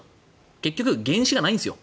結局、原資がないんですよ